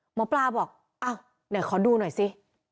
หมอปลาบอกอ้าวไหนขอดูหน่อยสิ